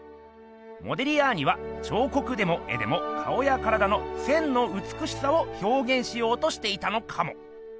モディリアーニは彫刻でも絵でも顔や体の線のうつくしさを表現しようとしていたのかも。